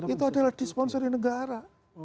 itu adalah di sponsori negara